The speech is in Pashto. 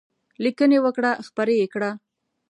لیکنې وکړه خپرې یې کړه.